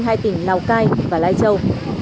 hai tỉnh lào cai và lai châu